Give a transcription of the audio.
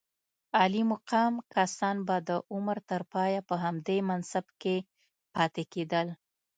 عالي مقام کسان به د عمر تر پایه په همدې منصب کې پاتې کېدل.